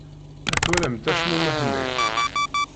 Twalamt acmumeḥ-nni?